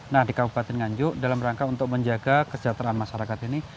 nah di kabupaten nganjuk dalam rangka untuk menjaga kesejahteraan masyarakat ini